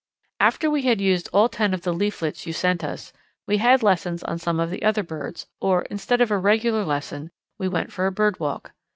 "After we had used all ten of the leaflets you sent us, we had lessons on some of the other birds, or, instead of a regular lesson, we went for a bird walk.